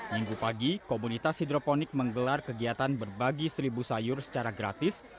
minggu pagi komunitas hidroponik menggelar kegiatan berbagi seribu sayur secara gratis